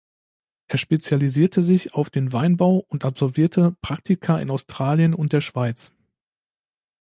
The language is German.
Er spezialisierte sich auf den Weinbau und absolvierte Praktika in Australien und der Schweiz.